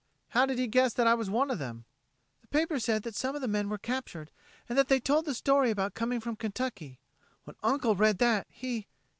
How did he guess that I was one of them?" "The paper said that some of the men were captured, and that they told the story about coming from Kentucky. When Uncle read that, he